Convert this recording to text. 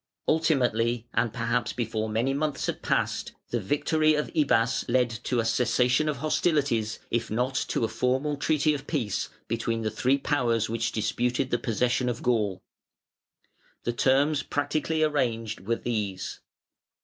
Ultimately, and perhaps before many months had passed, the victory of Ibbas led to a cessation of hostilities, if not to a formal treaty of peace, between the three powers which disputed the possession of Gaul. The terms practically arranged were these.